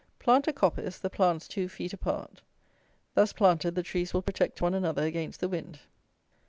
Plant a coppice, the plants two feet apart. Thus planted, the trees will protect one another against the wind.